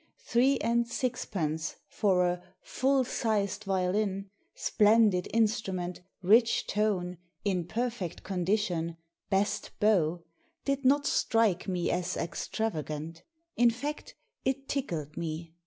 Three and sixpence for a " Full sized violin, splendid instrument ; rich tone ; in per fect condition; best bow" did not strike me as extravagant. In fact, it tickled me.